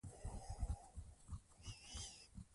موږ هم باید دا عزت ترلاسه کړو.